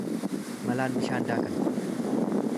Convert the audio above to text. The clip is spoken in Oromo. Malaan bishaan daakan.